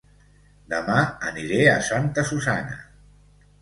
Dema aniré a Santa Susanna